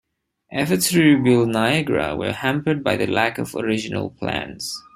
Efforts to rebuild "Niagara" were hampered by the lack of original plans.